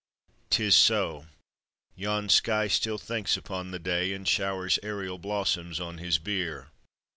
'Tis so: yon sky still thinks upon the Day, And showers aërial blossoms on his bier.